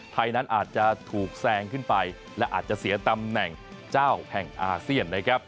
ไทยนั้นอาจจะถูกแซงขึ้นไปและอาจจะเสียตำแหน่งเจ้าแห่งอาเซียนนะครับ